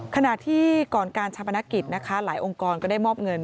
ขณะที่ก่อนการชาปนกิจนะคะหลายองค์กรก็ได้มอบเงิน